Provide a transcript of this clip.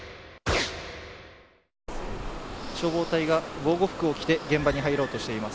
消防隊が防護服を着て現場に入ろうとしています。